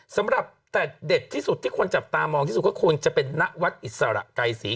สำหรับแต่เด็ดที่สุดที่คนจับตามองที่สุดก็ควรจะเป็นนวัดอิสระไกรศรี